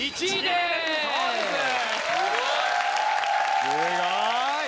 すごい！